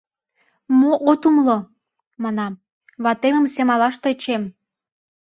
— Мо от умыло, манам, — ватемым семалаш тӧчем.